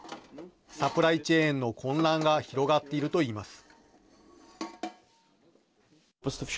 サプライチェーンの混乱が広がっているといいます。